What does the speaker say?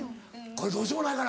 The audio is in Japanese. これどうしようもないかな？